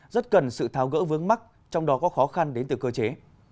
rất cần sự tháo gỡ vướng mắt trong đó có khó khăn đến từ cơ chế